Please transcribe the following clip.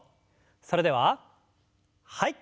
それでははい。